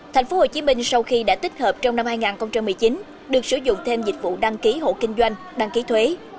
tp hcm sau khi đã tích hợp trong năm hai nghìn một mươi chín được sử dụng thêm dịch vụ đăng ký hộ kinh doanh đăng ký thuế